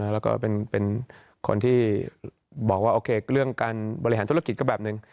แล้วก็เป็นคนที่บอกว่าโอเคเรื่องการบริหารธุรกิจก็แบบหนึ่ง